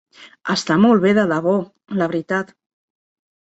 Està molt bé de debò, la veritat.